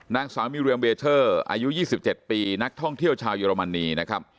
นางสาวมิเรียมเบเชอร์อายุ๒๗ปีนักท่องเที่ยวชาวเยอรมนีนะครับ